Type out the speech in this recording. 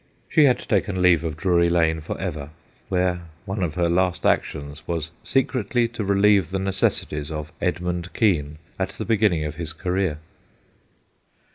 She had taken leave of Drury Lane for ever, where one of her last actions was secretly to relieve the necessities of Edmund Kean at the beginning of his career.